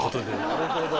なるほど。